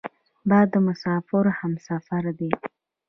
باد د مسافرو همسفر دی